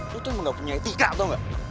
lo tuh emang gak punya etika tau gak